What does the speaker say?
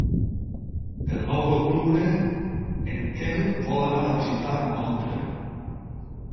El nou d'octubre en Quel vol anar a visitar mon oncle.